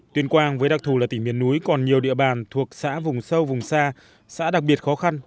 tuyên quang với đặc thù là tỉnh miền núi còn nhiều địa bàn thuộc xã vùng sâu vùng xa xã đặc biệt khó khăn